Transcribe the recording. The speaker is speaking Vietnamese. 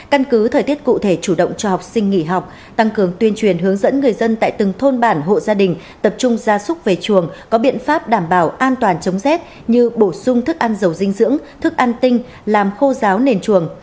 căn cứ thời tiết cụ thể chủ động cho học sinh nghỉ học tăng cường tuyên truyền hướng dẫn người dân tại từng thôn bản hộ gia đình tập trung gia súc về chuồng có biện pháp đảm bảo an toàn chống rét như bổ sung thức ăn giàu dinh dưỡng thức ăn tinh làm khô giáo nền chuồng